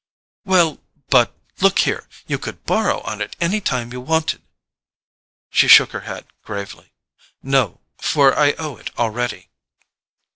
"Well, but—look here: you could BORROW on it any time you wanted." She shook her head gravely. "No; for I owe it already."